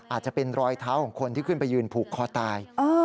อาจจะเป็นรอยเท้าของคนที่ขึ้นไปยืนผูกคอตาย